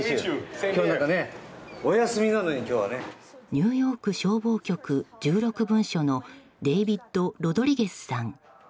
ニューヨーク消防局１６分署のデイビッド・ロドリゲスさん。